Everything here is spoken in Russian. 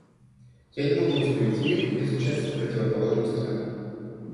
Я не могу установить мир без участия противоположной стороны.